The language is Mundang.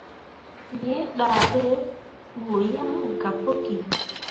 Me dahɓɓe buu yan gah puki.